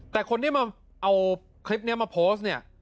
แต่คนที่มาเอาคลิปนี้มาโพสต์เนี่ย